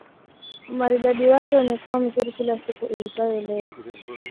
Umaridadi wake umekuwa mzuri kila siku iitwayo Leo